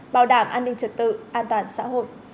bảo đảm an ninh trật tự an toàn xã hội